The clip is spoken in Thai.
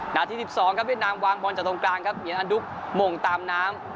นาที๑๒ครับเวียดนามวางบอลจากตรงกลางครับมีอันดุกหม่งตามน้ำ